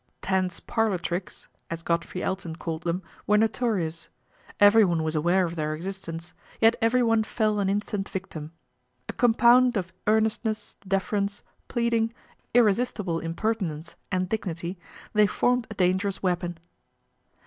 Tan's parlour tricks," as Godfrey Elton called :hem, were notorious. Everyone was aware of :heir existence ; yet everyone fell an instant victim. A compound of earnestness, deference, ^leading, irresistible impertinence and dignity, .hey formed a dangerous weapon.